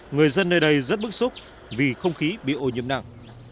người dân nơi đây rất bức xúc vì không khí bị ô nhiễm nặng